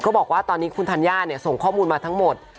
บอกว่าตอนนี้คุณธัญญาเนี่ยส่งข้อมูลมาทั้งหมด